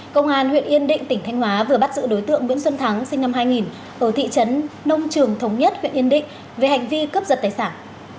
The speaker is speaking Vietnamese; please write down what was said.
công an huyện yên định tỉnh thanh hóa vừa bắt giữ đối tượng nguyễn xuân thắng sinh năm hai nghìn ở thị trấn nông trường thống nhất huyện yên định về hành vi cướp giật tài sản